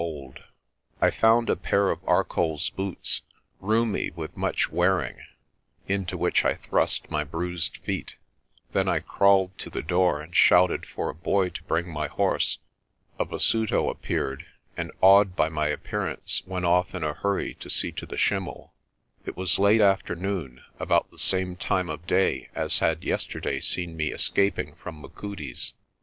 ARCOLL'S SHEPHERDING 231 I found a pair of ArcolPs boots, roomy with much wear ing, into which I thrust my bruised feet. Then I crawled to the door, and shouted for a boy to bring my horse. A Basuto appeared, and, awed by my appearance, went off in a hurry to see to the schlmmel. It was late afternoon, about the same time of day as had yesterday seen me escap ing from Machudi's.